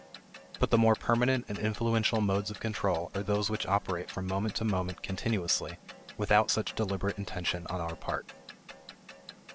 But the more permanent and influential modes of control are those which operate from moment to moment continuously without such deliberate intention on our part.